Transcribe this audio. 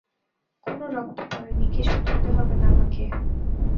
কোনো রক্ত পড়েনি, কিছু ধুতে হবে না আমাকে।